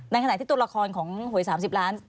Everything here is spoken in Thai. ในขณะที่ตัวละครของหวยสามสิบล้าน